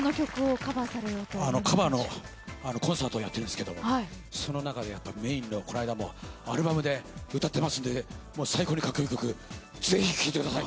カバーのコンサートをやってるんですけどその中でこないだもアルバムのメインで歌っていますので最高にかっこいい曲ぜひ聴いてください。